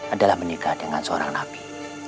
adalah menikah dengan seorang nabi